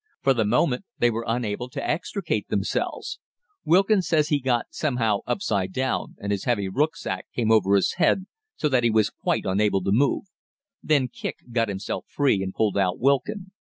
For the moment they were unable to extricate themselves. Wilkin says he got somehow upside down and his heavy rücksack came over his head so that he was quite unable to move. Then Kicq got himself free and pulled out Wilkin.